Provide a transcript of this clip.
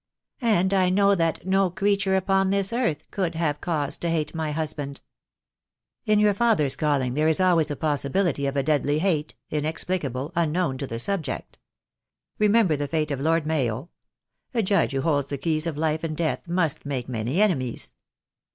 And I know that no creature upon this earth could have cause to hate my husband." "In your father's calling there is always a possibility of a deadly hate, inexplicable, unknown to the subject. Remember the fate of Lord Mayo. A judge who holds the keys of life and death must make many enemies."